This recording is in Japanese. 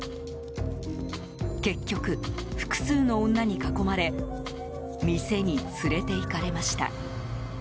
結局、複数の女に囲まれ店に連れていかれました。